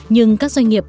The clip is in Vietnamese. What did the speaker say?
nhưng các doanh nghiệp